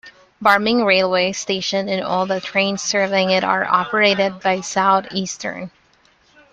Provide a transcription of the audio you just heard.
Barming railway station and all the trains serving it are operated by Southeastern.